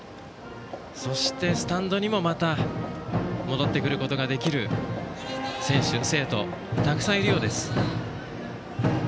そして、スタンドにもまた戻ってくることができる選手、生徒がたくさんいるようです。